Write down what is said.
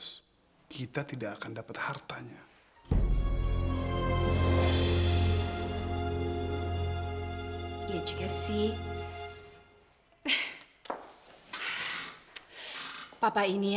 nggak ada wanita lain